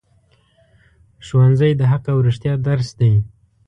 ښوونځی د حق او رښتیا درس دی